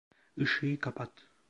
Işığı kapat.